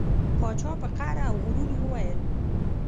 پاچا په قهر او غرور وویل.